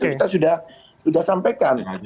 itu kita sudah sampaikan